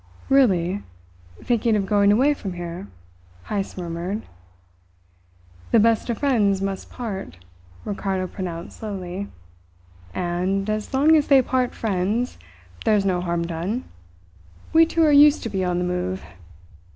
"Really? Thinking of going away from here?" Heyst murmured. "The best of friends must part," Ricardo pronounced slowly. "And, as long as they part friends, there's no harm done. We two are used to be on the move.